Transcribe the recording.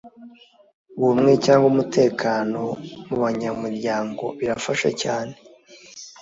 ubumwe cyangwa umutekano mu banyamuryango birafasha cyane